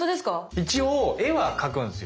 一応絵は描くんですよ。